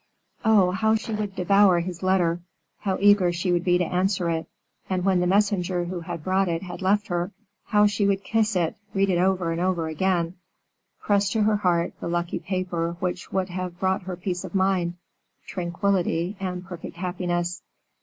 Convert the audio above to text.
Oh! how she would devour his letter, how eager she would be to answer it! and when the messenger who had brought it had left her, how she would kiss it, read it over and over again, press to her heart the lucky paper which would have brought her ease of mind, tranquillity, and perfect happiness.